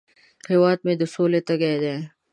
هیواد مې د سولې تږی دی